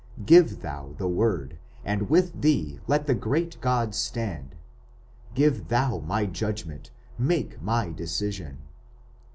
Give thou the Word, and with thee let the great gods stand! Give thou my judgment, make my decision!"